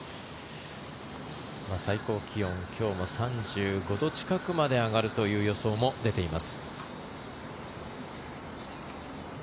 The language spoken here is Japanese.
最高気温今日も３５度近くまで上がるという予想も出ています。